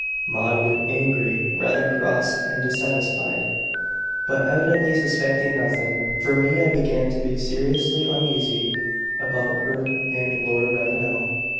Maud went away, rather cross and dissatisfied, but evidently suspecting nothing. For me, I began to be seriously uneasy about her and Lord Ravenel.